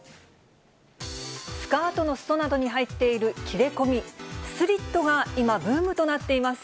スカートのすそなどに入っている切れ込み、スリットが今、ブームとなっています。